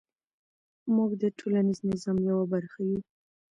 موږ د ټولنیز نظام یوه برخه یو.